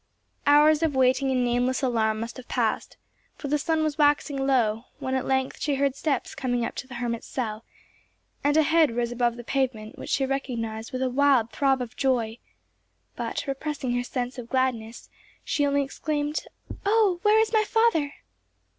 Hours of waiting and nameless alarm must have passed, for the sun was waxing low, when at length she heard steps coming up the hermit's cell, and a head rose above the pavement which she recognized with a wild throb of joy, but, repressing her sense of gladness, she only exclaimed, "Oh, where is my father!"